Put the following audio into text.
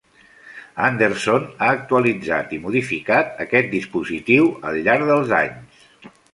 Anderson ha actualitzat i modificat aquest dispositiu al llarg dels anys.